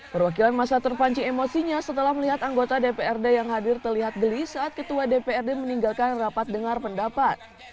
perwakilan masa terpancing emosinya setelah melihat anggota dprd yang hadir terlihat geli saat ketua dprd meninggalkan rapat dengar pendapat